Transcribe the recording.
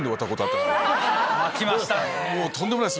巻きましたねぇ。